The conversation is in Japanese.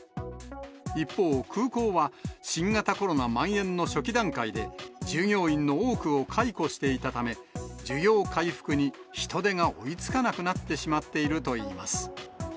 一方、空港は新型コロナまん延の初期段階で、従業員の多くを解雇していたため、需要回復に人手が追いつかなくなってしまっているといいます。